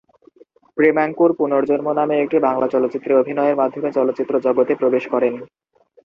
প্রেমাঙ্কুর পুনর্জন্ম নামে একটি বাংলা চলচ্চিত্রে অভিনয়ের মাধ্যমে চলচ্চিত্র জগতে প্রবেশ করেন।